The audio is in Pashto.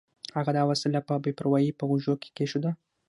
هغه دا وسیله په بې پروایۍ په غوږو کې کېښوده